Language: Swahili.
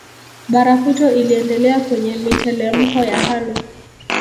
Barafuto iliendelea kwenye mitelemko ya kando